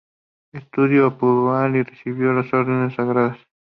Estudió en Padua y recibió las órdenes sagradas.